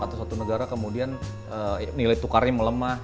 atau satu negara kemudian nilai tukarnya melemah